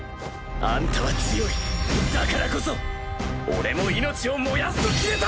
アンタは強いだからこそ俺も命を燃やすと決めた！